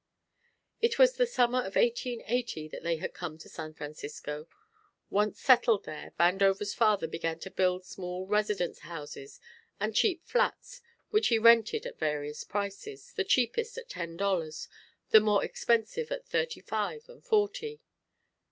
It was the summer of 1880 that they had come to San Francisco. Once settled there, Vandover's father began to build small residence houses and cheap flats which he rented at various prices, the cheapest at ten dollars, the more expensive at thirty five and forty.